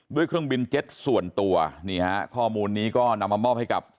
เครื่องบินเจ็ตส่วนตัวนี่ฮะข้อมูลนี้ก็นำมามอบให้กับ